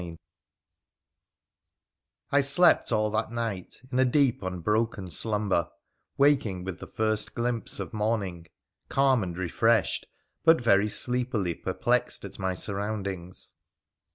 CHAPTER XIX I slept all that night a deep unbroken slumber, waking with the first glimpse of morning, calm and refreshed, but very sleepily perplexed at my surroundings.